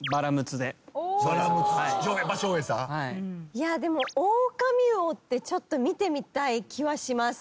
いやでもオオカミウオってちょっと見てみたい気はします。